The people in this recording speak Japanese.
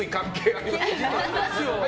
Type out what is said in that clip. ありますよ！